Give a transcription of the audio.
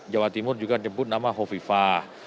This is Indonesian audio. jawa timur juga nyebut nama hovifah